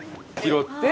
拾って？